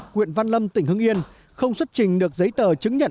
huyện văn lâm tỉnh hưng yên không xuất trình được giấy tờ chứng nhận